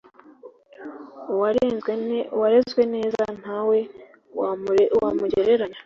uwarezwe neza nta we wamugereranya.